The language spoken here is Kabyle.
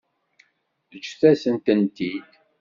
Ǧǧet-asen-tent-id.